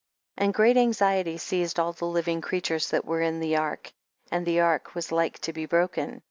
29. And great anxiety seized all tlie living creatures that were in the ark, and the ark was like to be broken.